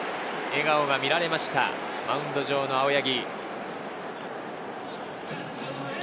笑顔が見られました、マウンド上の青柳。